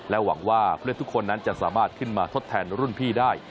หวังว่าผู้เล่นทุกคนนั้นจะสามารถขึ้นมาทดแทนรุ่นพี่ได้